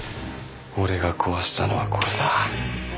俺が壊したのはこれだ。